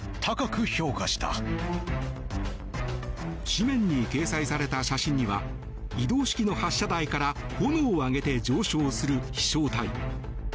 紙面に掲載された写真には移動式の発射台から炎を上げて上昇する飛翔体。